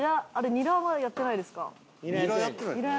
ニラやってないですよね。